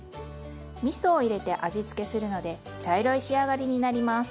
みそを入れて味付けするので茶色い仕上がりになります。